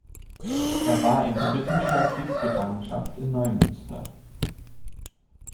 Er war in britischer Kriegsgefangenschaft in Neumünster.